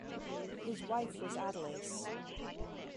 His wife was Adelais.